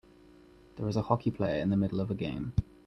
There is a hockey player in the middle of a game.